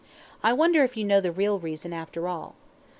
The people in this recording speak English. I wonder if you know the real reason, after all.